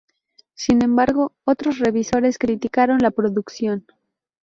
Sin embargo, otros revisores criticaron la producción.